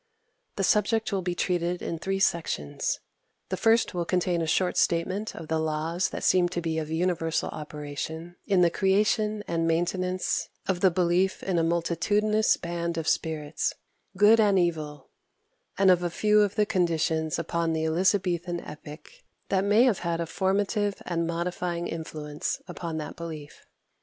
The subject will be treated in three sections. The first will contain a short statement of the laws that seem to be of universal operation in the creation and maintenance of the belief in a multitudinous band of spirits, good and evil; and of a few of the conditions of the Elizabethan epoch that may have had a formative and modifying influence upon that belief.